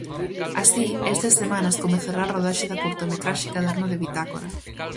Así, estas semanas comezará a rodaxe da curtametraxe "Caderno de bitácora".